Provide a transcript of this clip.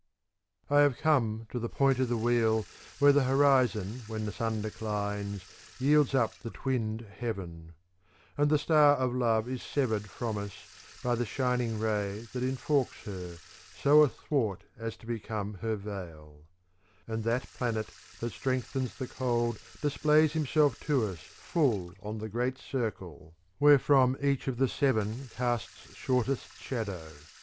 I HAVE come to the point of the wheel where the horizon when the sun declines yields up the twinned heaven ;^ And the star of love is severed from us by the shin ing ray that enforks her so athwart as to become her veil : [6j And that planet that strengthens the cold Displays himself to us full on the great circle ^ where from each of the seven ^ casts shortest shadow.